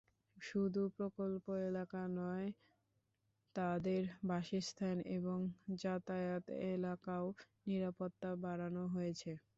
শুধু প্রকল্প এলাকা নয়, তাঁদের বাসস্থান এবং যাতায়াত এলাকায়ও নিরাপত্তা বাড়ানো হয়েছে।